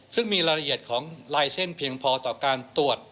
ซึ่งมีรายละเอียดของลายเส้นเพียงพอต่อการตรวจ